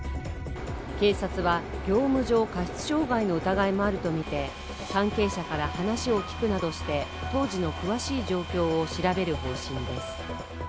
警察は、業務上過失傷害の疑いもあるとみて関係者から話を聞くなどして当時の詳しい状況を調べる方針です。